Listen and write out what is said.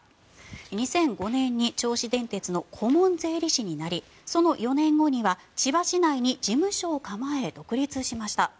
２００５年に銚子電鉄の顧問税理士になりその４年後には千葉市内に事務所を構え独立しました。